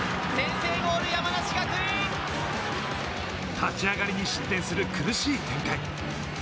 立ち上がりに失点する苦しい展開。